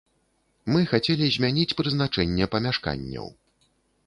Мы хацелі змяніць прызначэнне памяшканняў.